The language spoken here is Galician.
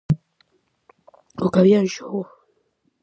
Co que había en xogo!